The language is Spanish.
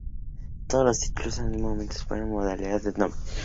Todos sus títulos hasta el momento fueron en la modalidad de dobles.